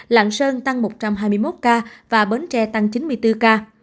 lạng sơn tăng một trăm hai mươi một ca và bến tre tăng chín mươi bốn ca